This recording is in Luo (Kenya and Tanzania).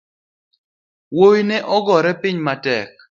Wuoi ne ogore piny matek